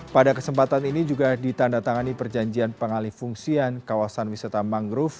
pada kesempatan ini juga ditanda tangani perjanjian pengalih fungsian kawasan wisata mangrove